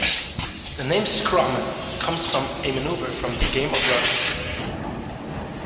The name "scrum" comes from a maneuver from the game of rugby.